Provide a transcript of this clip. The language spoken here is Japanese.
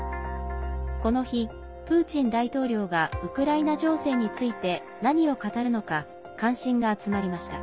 この日、プーチン大統領がウクライナ情勢について何を語るのか関心が集まりました。